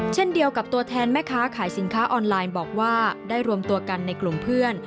เช่นเดียวกับตัวแทนแม่ค้าขายสินค้าออนไลน์บอกว่าได้รวมตัวกันในกลุ่มเพื่อน